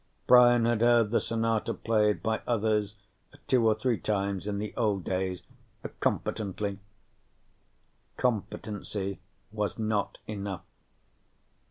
Brian had heard the sonata played by others two or three times in the old days competently. Competency was not enough.